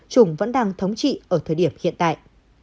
trùng vẫn đang thống trị ở thời điểm hiện tại